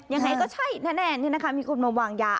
ยังไงก็ใช่แน่นี่นะคะมีคุณมาวางยา